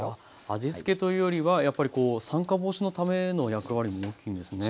味付けというよりはやっぱりこう酸化防止のための役割も大きいんですね。